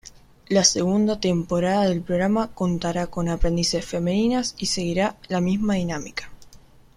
La segunda temporada del programa contará con aprendices femeninas y seguirá la misma dinámica.